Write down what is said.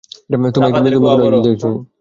আর তুমি কোন এক্সিট দিয়ে বাইরে যেতে চাইবে?